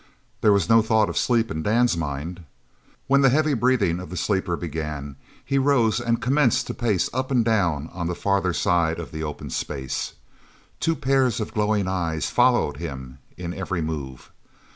There was no thought of sleep in Dan's mind. When the heavy breathing of the sleeper began he rose and commenced to pace up and down on the farther side of the open space. Two pairs of glowing eyes followed him in every move.